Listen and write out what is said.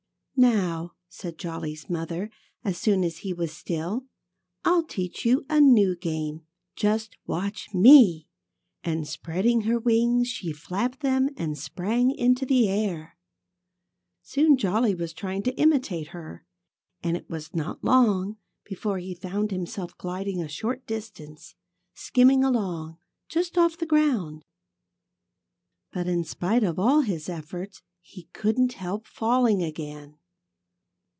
"Now," said Jolly's mother, as soon as he was still, "I'll teach you a new game. Just watch me!" And spreading her wings, she flapped them, and sprang into the air. Soon Jolly was trying to imitate her. And it was not long before he found himself gliding a short distance, skimming along just off the ground. But in spite of all his efforts, he couldn't help falling again.